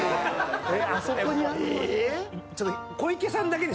あそこにあるのに。